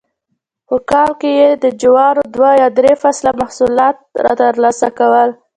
په کال کې یې د جوارو دوه یا درې فصله محصولات ترلاسه کول